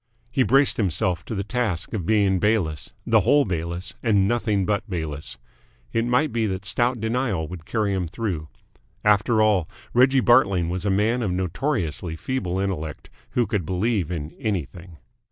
He braced himself to the task of being Bayliss, the whole Bayliss, and nothing but Bayliss. It might be that stout denial would carry him through. After all, Reggie Bartling was a man of notoriously feeble intellect, who could believe in anything.